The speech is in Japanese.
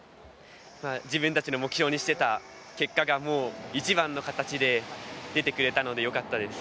自分たちの目標にしていた結果が一番の形で出てくれたのでよかったです。